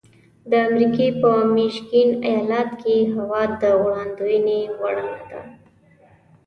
د امریکې په میشیګن ایالت کې هوا د وړاندوینې وړ نه ده.